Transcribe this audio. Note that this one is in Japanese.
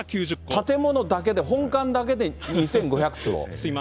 建物だけで、本館だけで２５００坪？